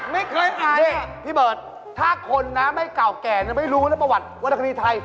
ไม่เคยอายพี่เบิร์ตถ้าคนนะไม่เก่าแก่ไม่รู้นะประวัติวรรณคดีไทย